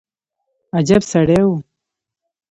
عجب سړى و.